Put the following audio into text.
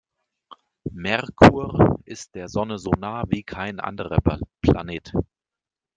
Merkur ist der Sonne so nah wie kein anderer Planet.